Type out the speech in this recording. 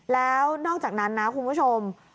แล้วนอกจากนั้นนะคุณผู้ชม